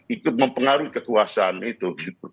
ikut mempengaruhi kekuasaan itu